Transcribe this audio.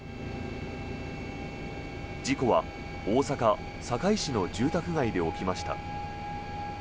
事故は大阪・堺市の住宅街で起きました。